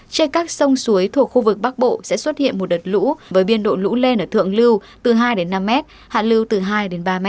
trên các sông suối thuộc khu vực bắc bộ sẽ xuất hiện một đợt lũ với biên độ lũ lên ở thượng lưu từ hai đến năm m hạ lưu từ hai đến ba m